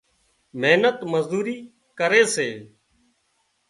محنت مزوري ڪري سي